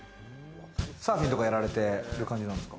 サーフィンとかやられてる感じなんですか？